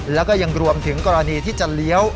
แล้วก็ยังรวมถึงกรณีที่จะเลี้ยว